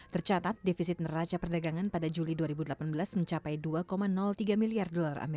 tercatat defisit neraca perdagangan pada juli dua ribu delapan belas mencapai dua tiga miliar